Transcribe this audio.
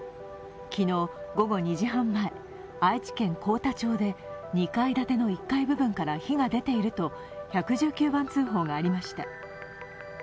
昨日午後２時半前、愛知県幸田町で２階建ての１階部分から火が出ていると１１９番通報がありました。